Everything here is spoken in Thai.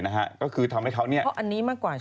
เพราะอันนี้มากกว่าใช่ไหม